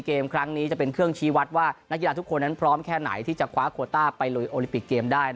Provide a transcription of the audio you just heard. เอเชนเกมแล้วก็โอลิมปิกได้